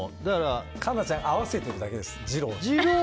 環奈ちゃん合わせてるだけです二朗に。